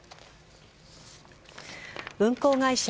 運航会社